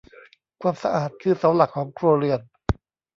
ความสะอาดคือเสาหลักของครัวเรือน